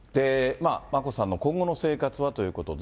眞子さんの今後の生活は？ということで。